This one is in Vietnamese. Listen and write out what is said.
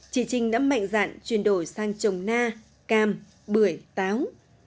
chị trinh đã mạnh dạn chuyển đổi sang trồng na cam bưởi táo